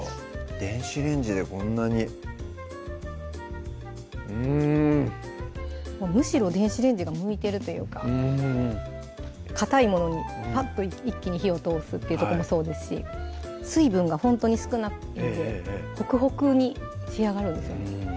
電子レンジでこんなにうんむしろ電子レンジが向いてるというかかたいものにパッと一気に火を通すっていうとこもそうですし水分がほんとに少ないのでほくほくに仕上がるんですよね